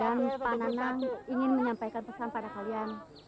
dan pananang ingin menyampaikan pesan pada kalian